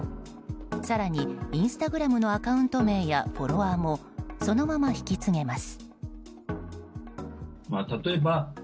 更に、インスタグラムのアカウント名やフォロワーもそのまま引き継げます。